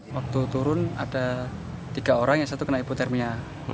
waktu turun ada tiga orang yang satu kena hipotermia